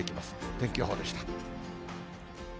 天気予報でした。